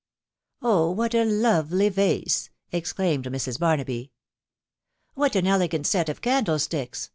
Oh ! what a lovely vase !" exclaimed Mrs. Barnaby. What an elegant set of candlesticks